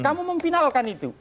kamu memfinalkan itu